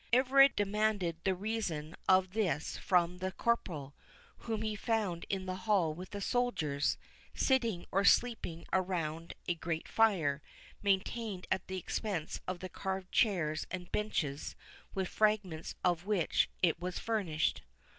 Everard demanded the reason of this from the corporal, whom he found in the hall with his soldiers, sitting or sleeping around a great fire, maintained at the expense of the carved chairs and benches with fragments of which it was furnished.